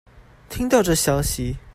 聽到這消息